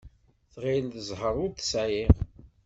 Tɣill d ẓẓher i ur tesεi.